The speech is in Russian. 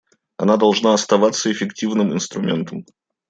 Она должна оставаться эффективным инструментом.